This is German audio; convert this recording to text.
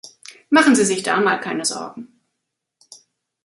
Machen Sie sich da mal keine Sorgen.